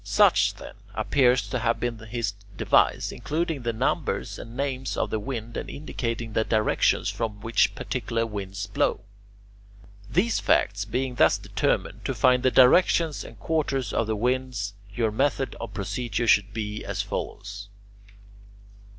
Such, then, appears to have been his device, including the numbers and names of the wind and indicating the directions from which particular winds blow. These facts being thus determined, to find the directions and quarters of the winds your method of procedure should be as follows.